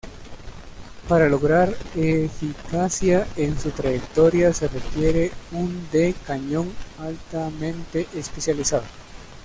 Para lograr eficacia en su trayectoria se requiere un de cañón altamente especializado.